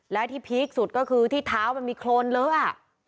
และที่พีคสุดก็คือที่เท้ามันมีโครนเลอะ